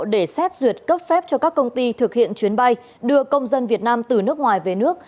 để xét duyệt cấp phép cho các công ty thực hiện chuyến bay đưa công dân việt nam từ nước ngoài về nước